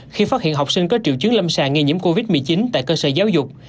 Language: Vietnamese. khi phát hiện học sinh có triệu chứng lâm sàng nghi nhiễm covid một mươi chín tại cơ sở giáo dục